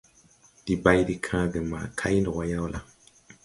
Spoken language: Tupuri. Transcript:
Ndi bay de kããge ma kay ndɔ wà yawla?